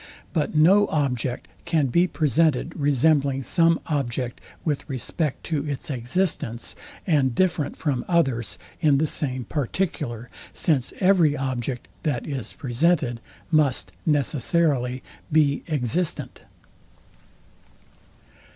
But no object can be presented resembling some object with respect to its existence, and different from others in the same particular; since every object, that is presented, must necessarily be existent. Part I. Sect.